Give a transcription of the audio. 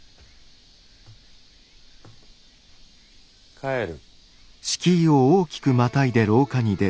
帰る。